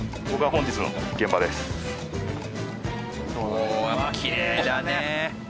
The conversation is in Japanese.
おきれいだね。